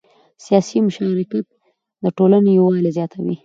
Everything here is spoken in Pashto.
سیاسي مشارکت د ټولنې یووالی زیاتوي